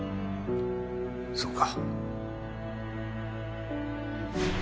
そうか。